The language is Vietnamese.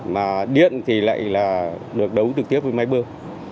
mà điện thì lại là được đấu trực tiếp với máy bơm